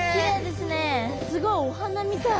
すごいお花みたい。